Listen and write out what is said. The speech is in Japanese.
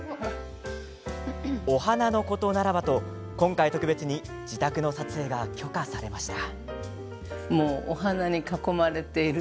お花のことならばと今回、特別に自宅の撮影が許可されました。